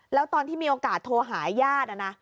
แล้วตอนที่มีโอกาสโทรหาญาตินะ